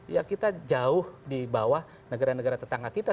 ya kita jauh di bawah negara negara tetangga kita